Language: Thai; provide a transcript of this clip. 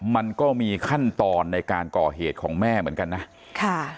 มันก็มีขั้นตอนในการก่อเหตุของแม่เหมือนกันนะค่ะ